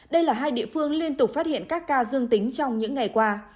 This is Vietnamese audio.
đây là hai địa phương liên tục phát hiện các ca dương tính trong những ngày qua